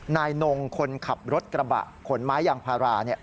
นายนงคนขับรถกระบะขนไม้ยางพารา